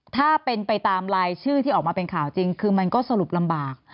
ถ้าเป็นไปตามรายชื่อที่ออกมาเป็นข่าวจริงคือมันก็สรุปลำบาก